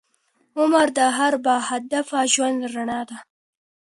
عمر د هر باهدفه ژوند رڼا ده.